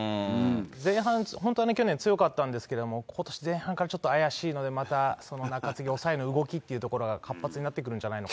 前半本当に去年強かったんですけれども、ことし、前半からちょっと怪しいですので、またその中継ぎ、抑えの動きというところが、活発になってくるんじゃないですか。